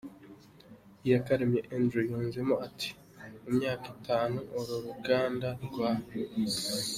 Iyakaremye Andre yunzemo ati “Mu myaka itanu uru ruganda rwa C.